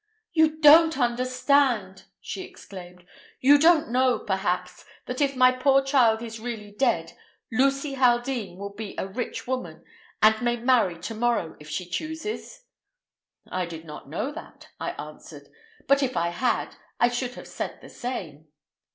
"You don't understand!" she exclaimed. "You don't know, perhaps, that if my poor child is really dead, Lucy Haldean will be a rich woman, and may marry to morrow if she chooses?" "I did not know that," I answered, "but if I had, I should have said the same."